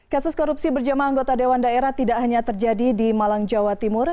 kasus korupsi berjama anggota dewan daerah tidak hanya terjadi di malang jawa timur